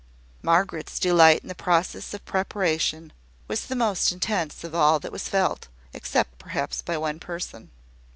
Margaret's delight in the process of preparation was the most intense of all that was felt, except perhaps by one person.